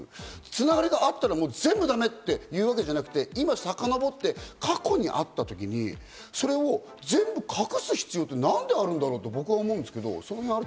つながりがあったら全部だめって言うわけじゃなくて、今さかのぼって過去にあった時に、それを全部隠す必要って何であるんだろう？と僕は思うんですけど。